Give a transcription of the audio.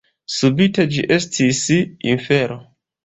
Subite ĝi estis infero.